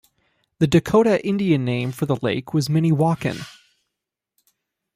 The Dakotah Indian name for the lake was Minnewaukon.